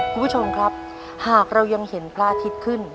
คุณผู้ชมครับหากเรายังเห็นพระอาทิตย์ขึ้น